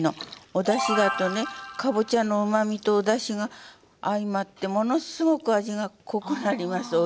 おだしだとねかぼちゃのうまみとおだしが相まってものすごく味が濃くなりますおいしさが。